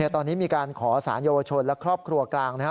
ตอนนี้มีการขอศาลเยาวชนและครอบครัวกลาง